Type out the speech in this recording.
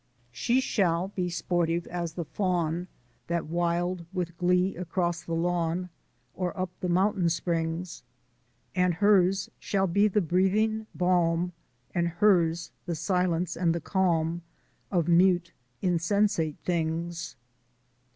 "She shall be sportive as the fawn That wild with glee across the lawn, Or up the mountain springs. And hers shall be the breathing balm, And hers the silence and the calm Of mute, insensate things.